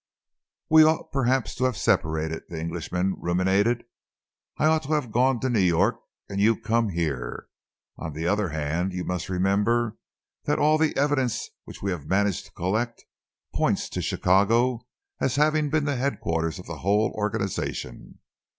"We ought, perhaps, to have separated," the Englishman ruminated. "I ought to have gone to New York and you come here. On the other hand, you must remember that all the evidence which we have managed to collect points to Chicago as having been the headquarters of the whole organisation."